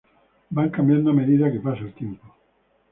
Van cambiando a medida que pasa el tiempo.